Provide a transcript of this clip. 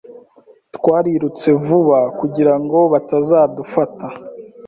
Twarirutse vuba kugirango batazadufata.